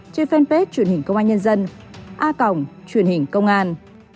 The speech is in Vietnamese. trên fanpage truyền hình công an nhân dân a cổng truyền hình công an